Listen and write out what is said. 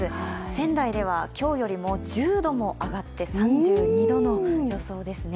仙台では、今日よりも１０度も上がって３２度の予想ですね。